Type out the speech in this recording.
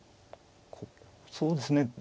そうですね